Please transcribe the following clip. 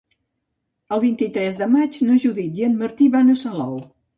El vint-i-tres de maig na Judit i en Martí van a Salou.